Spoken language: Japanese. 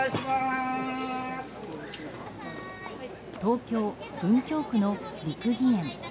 東京・文京区の六義園。